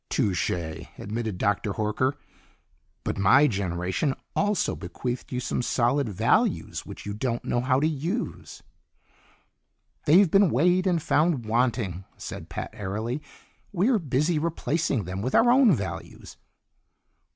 "Touche!" admitted Dr. Horker. "But my generation also bequeathed you some solid values which you don't know how to use." "They've been weighed and found wanting," said Pat airily. "We're busy replacing them with our own values."